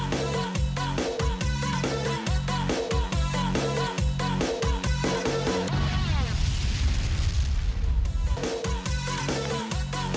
ไม่ได้คิดก่อนคิด